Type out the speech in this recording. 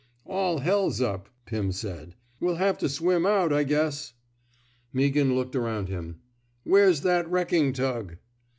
'' ''Ml heirs up,'' Pim said. ^^ We'll have to swim out, I guess." Meaghan looked around him. Where's , that wrecking tug?